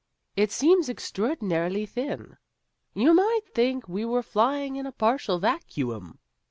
It seems extraordinarily thin. You might think we were flying in a partial vacuum."